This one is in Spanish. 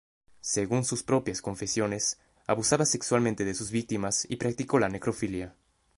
Según sus propias confesiones, abusaba sexualmente de sus víctimas y practicó la necrofilia.